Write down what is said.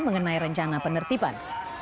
mengenai rencana penertiban